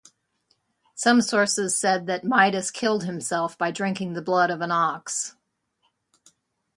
Some sources said that Midas killed himself by drinking the blood of an ox.